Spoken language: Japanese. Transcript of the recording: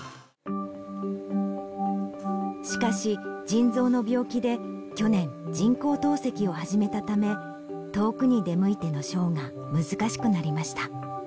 しかし腎臓の病気で去年人工透析を始めたため遠くに出向いてのショーが難しくなりました。